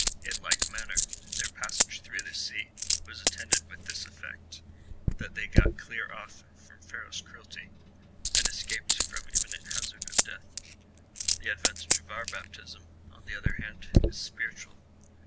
In like manner, their passage through the sea was attended with this effect, that they got clear oif from Pharaoh's cruelty, and escaped from imminent hazard of death. The advantage of our baptism, on the other hand, is spiritual.